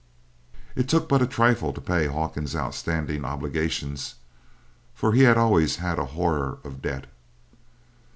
It took but a trifle to pay Hawkins's outstanding obligations, for he had always had a horror of debt.